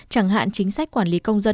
chẳng hạn chính sách quản lý công dân